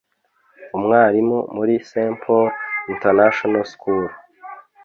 umwarimu muri Saint Paul International School